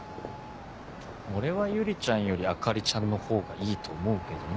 俺は百合ちゃんより朱里ちゃんの方がいいと思うけどな。